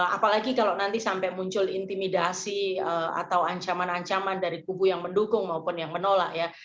apalagi kalau nanti sampai muncul intimidasi atau ancaman ancaman dari kubu yang mendukung maupun yang menolak ya